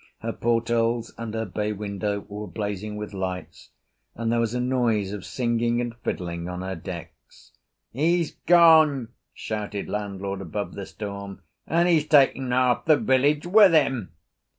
Her portholes and her bay window were blazing with lights, and there was a noise of singing and fiddling on her decks. "He's gone," shouted landlord above the storm, "and he's taken half the village with him!"